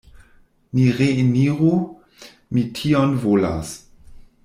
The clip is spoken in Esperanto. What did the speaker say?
Ni reeniru; mi tion volas.